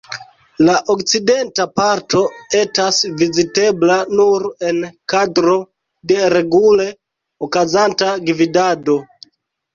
La okcidenta parto etas vizitebla nur en kadro de regule okazanta gvidado.